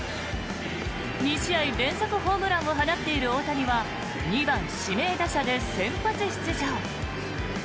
２試合連続ホームランを放っている大谷は２番指名打者で先発出場。